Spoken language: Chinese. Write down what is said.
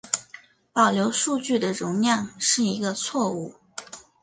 保留数据的容量是一个错误。